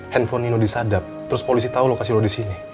handphone nino disadap terus polisi tau lo kasih lo disini